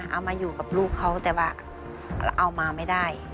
เอามาอยู่กับลูกเขาแต่ว่าเอามาไม่ได้